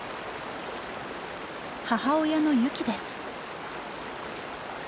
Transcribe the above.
母親のユキです。